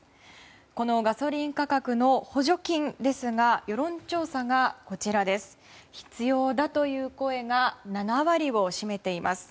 このガソリン価格の補助金ですが世論調査で必要だという声が７割を占めています。